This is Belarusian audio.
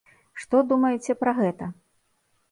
Што думаеце пра гэта?